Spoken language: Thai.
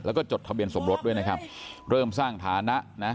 แล้วก็จดทะเบียนสมรสด้วยนะครับเริ่มสร้างฐานะนะ